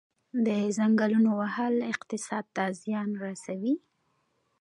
د ځنګلونو وهل اقتصاد ته زیان رسوي؟